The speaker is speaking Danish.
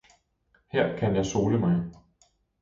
her kan jeg sole mig.